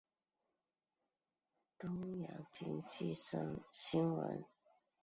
东洋经济新闻编辑长于京滨东北线列车中因性骚扰两名女子被捕。